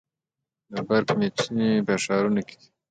د برق میچنې په ښارونو کې دي.